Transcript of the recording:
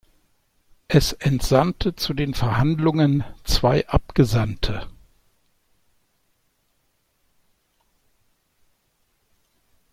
Es entsandte zu den Verhandlungen zwei Abgesandte.